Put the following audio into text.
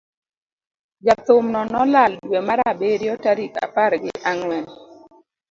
jathum no nolal dwe mar abiriyo tarik apar gi ang'wen,